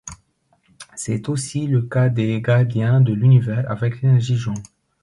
C'est aussi le cas des Gardiens de l'univers avec l'énergie jaune.